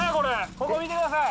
ここ見てください。